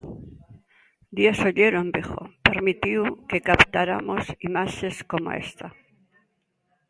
O día solleiro en Vigo permitiu que captaramos imaxes coma esta.